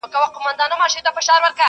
شهید سيد عبدالاله کور وو.